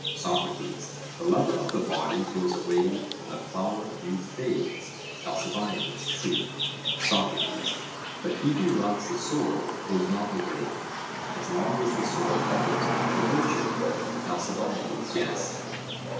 SOCRATES: The lover of the body goes away when the flower of youth fades? ALCIBIADES: True. SOCRATES: But he who loves the soul goes not away, as long as the soul follows after virtue? ALCIBIADES: Yes.